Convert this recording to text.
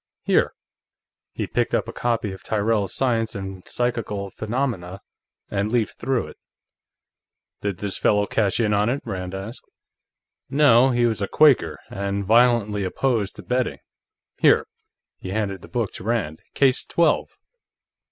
Here." He picked up a copy of Tyrrell's Science and Psychical Phenomena and leafed through it. "Did this fellow cash in on it?" Rand asked. "No. He was a Quaker, and violently opposed to betting. Here." He handed the book to Rand. "Case Twelve."